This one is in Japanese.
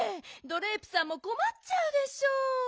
ドレープさんもこまっちゃうでしょう。